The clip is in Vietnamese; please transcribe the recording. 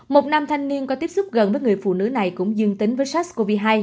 một nam thanh niên có tiếp xúc gần với người phụ nữ này cũng dương tính với sars cov hai